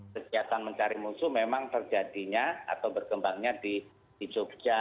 kegiatan mencari musuh memang terjadinya atau berkembangnya di jogja